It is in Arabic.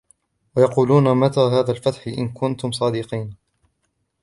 وَيَقُولُونَ مَتَى هَذَا الْفَتْحُ إِنْ كُنْتُمْ صَادِقِينَ